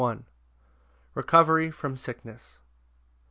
Recovery from sickness.